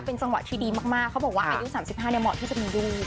เป็นจังหวะที่ดีมากเขาบอกว่าอายุ๓๕เหมาะที่จะมีลูก